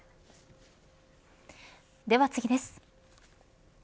では次です。